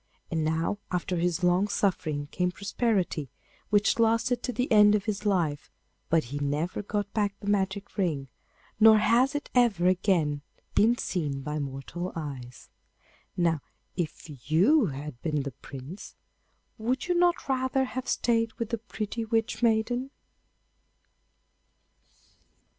And now after his long suffering came prosperity, which lasted to the end of his life; but he never got back the magic ring, nor has it ever again been seen by mortal eyes. Now, if you had been the Prince, would you not rather have stayed with the pretty witch maiden?